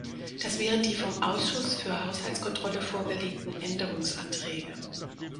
Das wären die vom Ausschuss für Haushaltskontrolle vorgelegten Änderungsanträge.